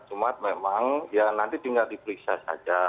cuma memang ya nanti tinggal diperiksa saja